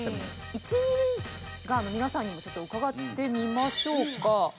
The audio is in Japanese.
１ミリーガーの皆さんにもちょっと伺ってみましょうか。